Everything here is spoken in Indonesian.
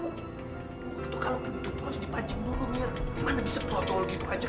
gua tuh kalo kentut harus dipancing dulu biar mana bisa brocol gitu aja